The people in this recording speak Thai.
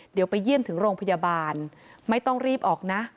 เดี๋ยวไปเยี่ยมถึงโรงพยาบาลไม่ต้องรีบออกนะ